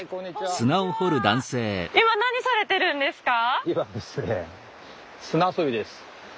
今何されてるんですか？